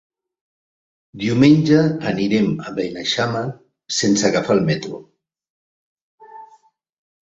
Diumenge anirem a Beneixama sense agafar el metro.